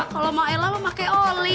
kalau emak ella emak pakai oli